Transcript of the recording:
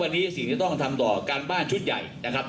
วันนี้ต้องทำต่อการบ้านชุดใหญ่